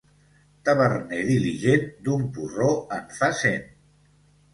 Taverner diligent, d'un porró en fa cent.